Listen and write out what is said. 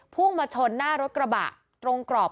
พุ่งมาชนหน้ารถกระบะตรงกรอบ